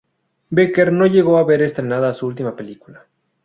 Becker no llegó a ver estrenada su última película.